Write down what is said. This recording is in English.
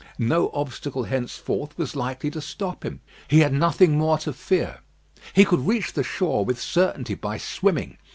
No obstacle henceforth was likely to stop him. He had nothing more to fear. He could reach the shore with certainty by swimming.